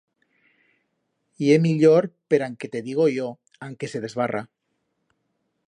Ye millor per an que te digo yo, an que se desbarra.